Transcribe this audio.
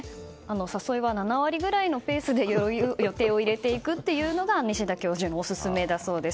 誘いは７割ぐらいのペースで予定を入れていくというのが西多教授のオススメだそうです。